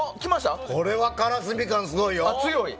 これはからすみ感すごいよ。